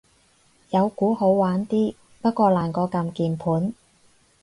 有鼓好玩啲，不過難過撳鍵盤